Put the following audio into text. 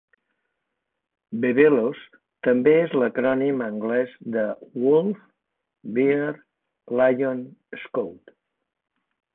Webelos també es l'acrònim anglès de Wolf, Bear, Lion, Scout.